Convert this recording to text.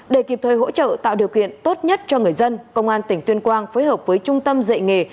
để kịp thời hỗ trợ tạo điều kiện tốt nhất cho người dân công an tỉnh tuyên quang phối hợp với trung tâm dạy nghề